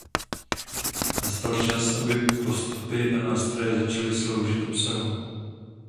Nastal čas, aby postupy a nástroje začaly sloužit obsahu.